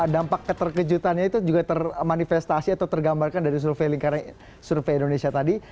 dampak keterkejutannya itu juga termanifestasi atau tergambarkan dari survei lingkaran survei indonesia tadi